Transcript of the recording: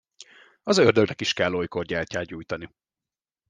Az ördögnek is kell olykor gyertyát gyújtani.